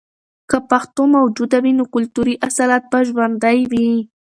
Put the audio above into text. که پښتو موجوده وي، نو کلتوري اصالت به ژوندۍ وي.